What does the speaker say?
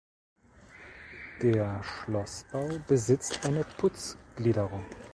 Der Schlossbau besitzt eine Putzgliederung.